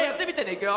いくよ。